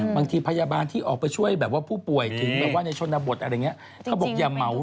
พยาบาลที่ออกไปช่วยแบบว่าผู้ป่วยถึงแบบว่าในชนบทอะไรอย่างนี้เขาบอกอย่าเหมา